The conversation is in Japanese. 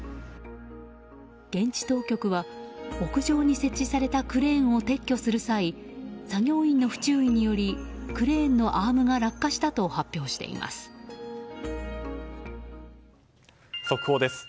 現地当局は屋上に設置されたクレーンを撤去する際作業員の不注意によりクレーンのアームが速報です。